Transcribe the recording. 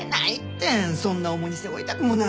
そんな重荷背負いたくもない。